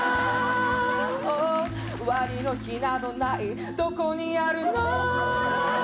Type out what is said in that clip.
「終わりの日などない」「どこにあるの」